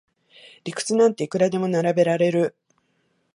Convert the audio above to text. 理屈なんていくらでも並べられる